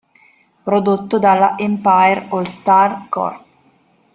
Prodotto dalla Empire All Star Corp.